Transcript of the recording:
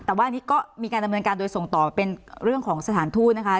แต่ว่าอันนี้ก็มีการดำเนินการโดยส่งต่อเป็นเรื่องของสถานทูตนะคะ